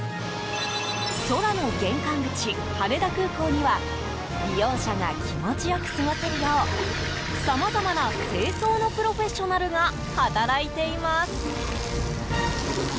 空の玄関口、羽田空港には利用者が気持ち良く過ごせるようさまざまな清掃のプロフェッショナルが働いています。